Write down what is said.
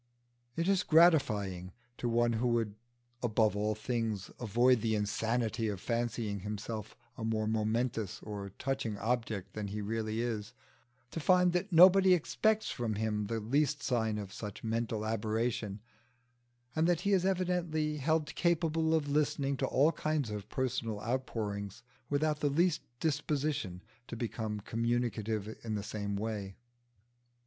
It is gratifying to one who would above all things avoid the insanity of fancying himself a more momentous or touching object than he really is, to find that nobody expects from him the least sign of such mental aberration, and that he is evidently held capable of listening to all kinds of personal outpouring without the least disposition to become communicative in the same way.